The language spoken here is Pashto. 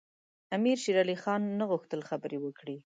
امیر شېرعلي خان نه غوښتل خبرې وکړي.